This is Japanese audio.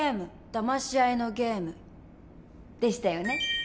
だまし合いのゲームでしたよね？